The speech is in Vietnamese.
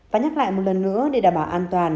và nhắc lại một lần nữa để đảm bảo an toàn